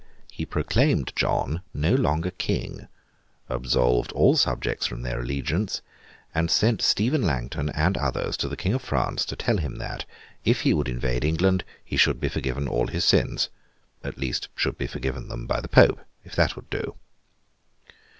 He proclaimed John no longer King, absolved all his subjects from their allegiance, and sent Stephen Langton and others to the King of France to tell him that, if he would invade England, he should be forgiven all his sins—at least, should be forgiven them by the Pope, if that would do.